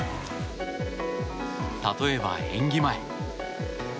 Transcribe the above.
例えば、演技前。